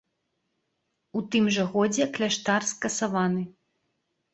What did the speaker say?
У тым жа годзе кляштар скасаваны.